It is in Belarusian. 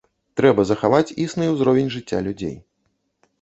Трэба захаваць існы ўзровень жыцця людзей.